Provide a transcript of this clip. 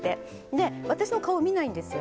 で私の顔見ないんですよ